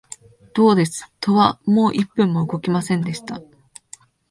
どうです、戸はもう一分も動きませんでした